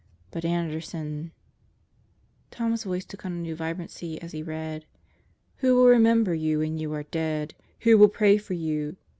But Anderson ... Tom's voice took on a new vibrancy as he read: "Who will remember you when you are dead? Who will pray for you?